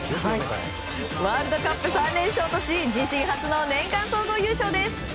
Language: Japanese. ワールドカップ３連勝とし自身初の年間総合優勝です。